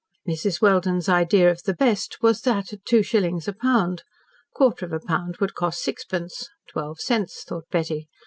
Mrs. Welden's idea of "the best," was that at two shillings a pound. Quarter of a pound would cost sixpence (twelve cents, thought Betty).